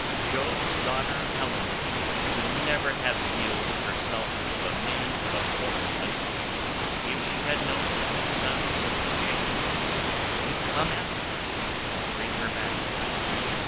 Jove's daughter Helen would never have yielded herself to a man from a foreign country, if she had known that the sons of Achaeans would come after her and bring her back.